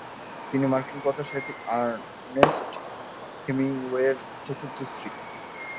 তিনি মার্কিন কথাসাহিত্যিক আর্নেস্ট হেমিংওয়ের চতুর্থ স্ত্রী।